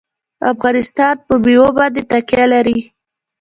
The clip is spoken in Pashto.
افغانستان په مېوې باندې تکیه لري.